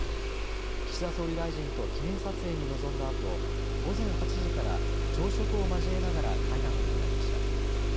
岸田総理大臣と記念撮影に臨んだあと午前８時から朝食を交えながら会談を行いました。